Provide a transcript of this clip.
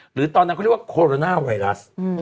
ตอนนั้นเขาเรียกว่าโคโรนาไวรัส